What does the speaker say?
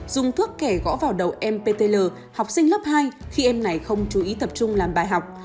dùng thuốc kẻ gõ vào đầu mptl học sinh lớp hai khi em này không chú ý tập trung làm bài học